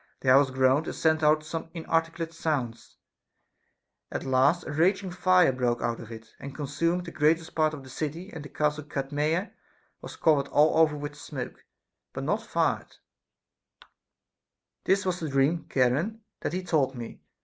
The house groaned, and sent out some inarticulate sounds ; at last a raging fire broke out of it, and consumed the greatest part of the city ; and the castle Cadmea was covered all over with smoke, but not fired. This was the dream, Charon, that he told me.